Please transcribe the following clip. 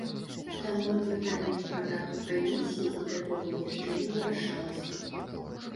Таму пытанне пра дату камісіі, вядома, яшчэ не вырашалася.